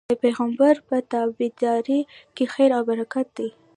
د پيغمبر په تابعدارۍ کي خير او برکت دی